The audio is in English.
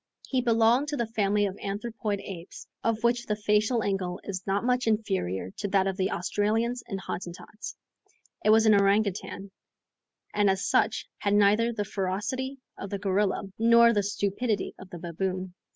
He belonged to the family of anthropoid apes, of which the facial angle is not much inferior to that of the Australians and Hottentots. It was an orangoutang, and as such, had neither the ferocity of the gorilla, nor the stupidity of the baboon.